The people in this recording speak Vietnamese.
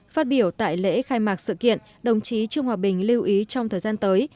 phát biểu tại lễ khai mạc sự kiện đồng chí trương hòa bình lưu ý trong thời gian tới